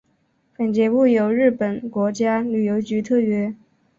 本节目由日本国家旅游局特约。